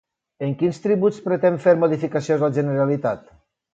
En quins tributs pretén fer modificacions la Generalitat?